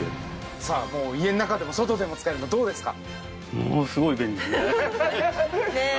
もう家ん中でも外でも使えるのどうですか？